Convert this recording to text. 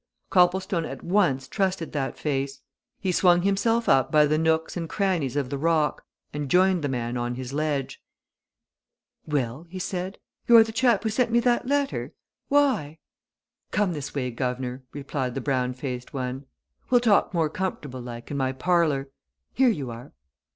Copplestone at once trusted that face. He swung himself up by the nooks and crannies of the rock, and joined the man on his ledge. "Well?" he said. "You're the chap who sent me that letter? Why?" "Come this way, guv'nor," replied the brown faced one. "Well talk more comfortable, like, in my parlour. Here you are!"